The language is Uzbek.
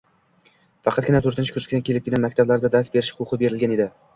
faqatgina to'rtinchi kursga kelibgina maktablarda dars berish huquqi berilgan edi.